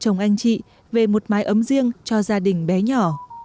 chồng anh chị về một mái ấm riêng cho gia đình bé nhỏ